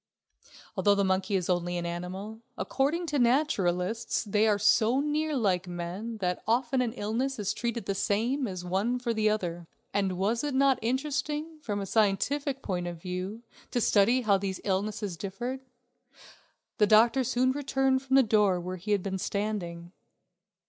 Although the monkey is only an animal, according to naturalists they are so near like men that often an illness is treated the same for one as for the other. And was it not interesting, from a scientific point of view, to study how these illnesses differed. The doctor soon returned from the door where he had been standing.